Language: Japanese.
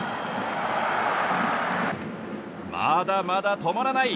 まだまだ止まらない。